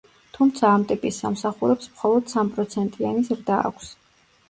თუმცა, ამ ტიპის სამსახურებს მხოლოდ სამპროცენტიანი ზრდა აქვს.